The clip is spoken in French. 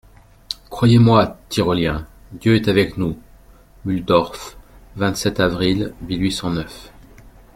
Croyez-moi, Tyroliens, Dieu est avec nous ! Mulhdorf, vingt-sept avril mille huit cent neuf.